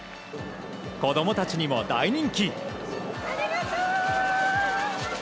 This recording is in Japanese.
子供たちにも大人気。